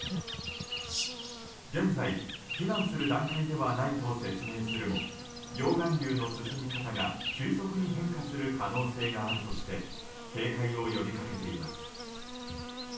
現在、避難する段階ではないと説明するも溶岩流の進み方が急速に変化する可能性があるとして警戒を呼びかけています。